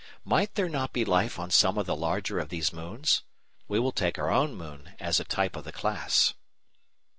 May there not be life on some of the larger of these moons? We will take our own moon as a type of the class.